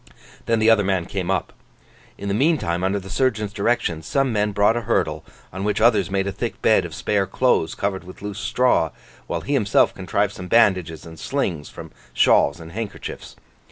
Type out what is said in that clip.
Then the other man came up. In the meantime, under the surgeon's directions, some men brought a hurdle, on which others made a thick bed of spare clothes covered with loose straw, while he himself contrived some bandages and slings from shawls and handkerchiefs.